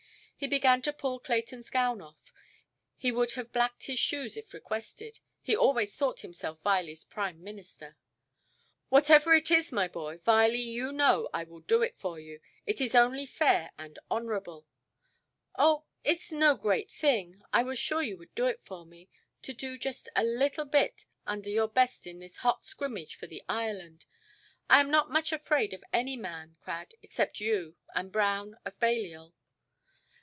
He began to pull Claytonʼs gown off; he would have blacked his shoes if requested. He always thought himself Vileyʼs prime minister. "Whatever it is, my boy, Viley, you know I will do it for you, if it is only fair and honourable". "Oh, it is no great thing. I was sure you would do it for me. To do just a little bit under your best in this hot scrimmage for the Ireland. I am not much afraid of any man, Crad, except you, and Brown, of Balliol".